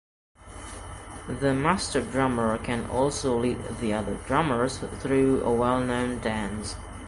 The master drummer can also lead the other drummers through a well known dance.